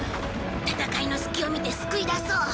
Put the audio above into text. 戦いの隙を見て救い出そう。